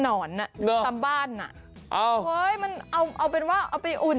ออกไปเข็นอย่างเงี้ย